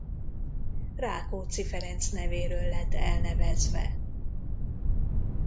Rákóczi Ferenc nevéről lett elnevezve.